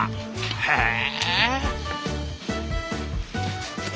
へえ！